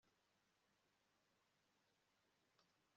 urateganya rwose ko nguha amafaranga